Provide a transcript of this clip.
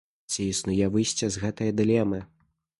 Ці існуе выйсце з гэтае дылемы?